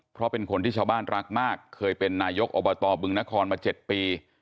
เพราะเป็นคนที่ชาวบ้านรักมากเคยเป็นนายกอบตบึงนครมา๗ปี